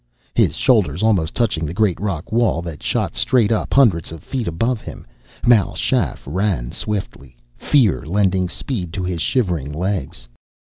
His shoulders almost touching the great rock wall that shot straight up hundreds of feet above him, Mal Shaff ran swiftly, fear lending speed to his shivering legs.